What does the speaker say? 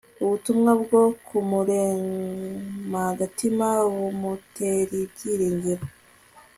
ubutumwa bgo kumuremagatima bumuteribyiringiro